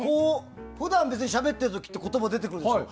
普段、しゃべってる時って言葉が出てくるんですよ。